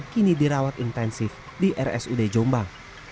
kini dirawat intensif di rsud jombang